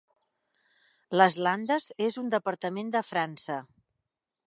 Les Landes és un departament de França.